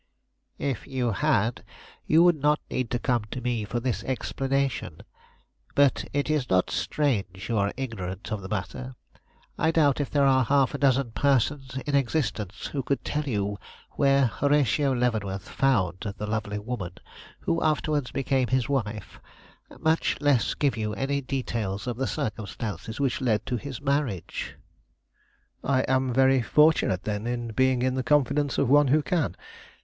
"If you had, you would not need to come to me for this explanation. But it is not strange you are ignorant of the matter. I doubt if there are half a dozen persons in existence who could tell you where Horatio Leavenworth found the lovely woman who afterwards became his wife, much less give you any details of the circumstances which led to his marriage." "I am very fortunate, then, in being in the confidence of one who can.